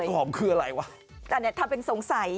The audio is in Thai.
ต้องกินถ้าเป็นสงสัย